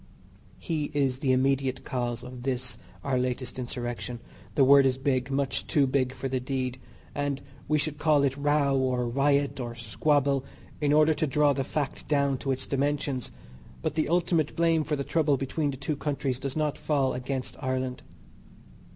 He is the immediate cause of this our latest Insurrection the word is big, much too big for the deed, and we should call it row, or riot, or squabble, in order to draw the fact down to its dimensions, but the ultimate blame for the trouble between the two countries does not fall against Ireland.